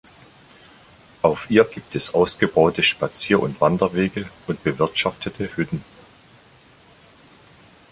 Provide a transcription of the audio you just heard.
Auf ihr gibt es ausgebaute Spazier- und Wanderwege und bewirtschaftete Hütten.